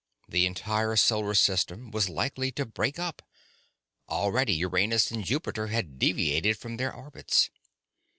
The entire solar system was likely to break up. Already Uranus and Jupiter had deviated from their orbits.